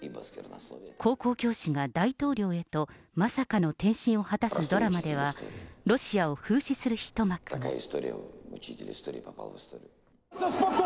高校教師が大統領へと、まさかの転身を果たすドラマでは、ロシアを風刺する一幕が。